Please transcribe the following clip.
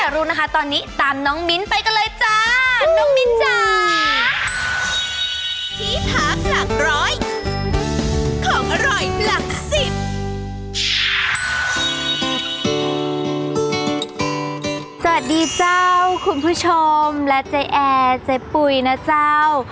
และใจแอใจปุ๋ยนะเจ้า